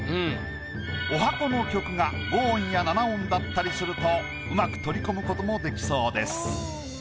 十八番の曲が５音や７音だったりするとうまく取り込む事もできそうです。